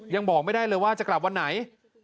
ยังบอกไม่ได้เลยว่าจะกลับวันไหน